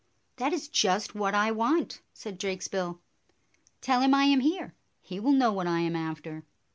"That is just what I want," said Drakesbill. "Tell him I am here. He will know what I am after."